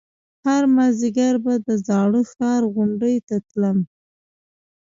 هر مازديگر به د زاړه ښار غونډۍ ته تلم.